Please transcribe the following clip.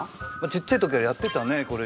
ちっちゃい時はやってたねこれ。